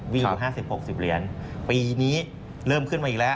มีอยู่๕๐๖๐เหรียญปีนี้เริ่มขึ้นมาอีกแล้ว